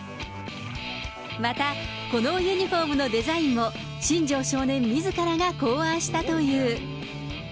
また、このユニホームのデザインも、新庄少年みずからが考案したという。